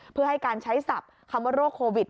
เพื่อให้การใช้ศัพท์คำว่าโรคโควิด